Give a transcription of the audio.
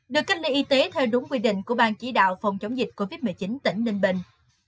được cách ly y tế theo đúng quy định của bang chỉ đạo phòng chống dịch covid một mươi chín tỉnh ninh bình